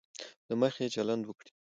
له مخي چلند وکړي.